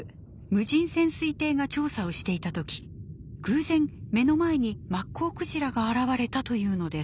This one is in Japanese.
無人潜水艇が調査をしていた時偶然目の前にマッコウクジラが現れたというのです。